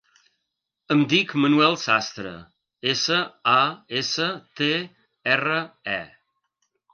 Em dic Manuel Sastre: essa, a, essa, te, erra, e.